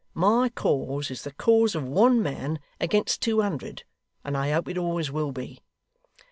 My cause is the cause of one man against two hundred; and I hope it always will be.